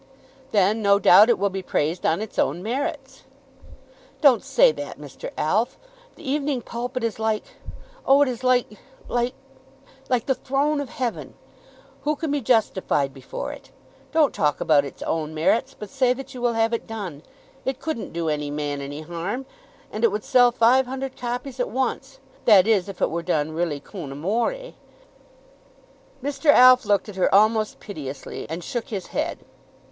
"Then no doubt it will be praised on its own merits." "Don't say that, Mr. Alf. The 'Evening Pulpit' is like, oh, it is like, like, like the throne of heaven! Who can be justified before it? Don't talk about its own merits, but say that you will have it done. It couldn't do any man any harm, and it would sell five hundred copies at once, that is if it were done really con amore." Mr. Alf looked at her almost piteously, and shook his head.